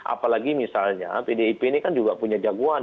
apalagi misalnya pdip ini kan juga punya jagoan